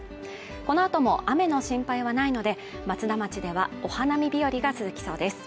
このあとも雨の心配はないので、松田町では、お花見日和が続きそうです。